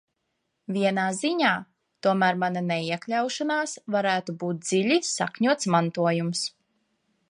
Vienā ziņā tomēr mana neiekļaušanās varētu būt dziļi sakņots mantojums.